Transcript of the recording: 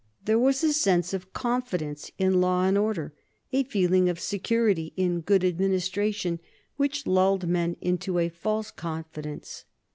There was a sense of confidence in law and order, a feeling of security in good administration, which lulled men into a false confidence.